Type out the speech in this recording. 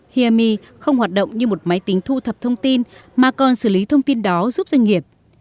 himi không hoạt động như một máy tính thu thập thông tin mà còn xử lý thông tin đó giúp doanh nghiệp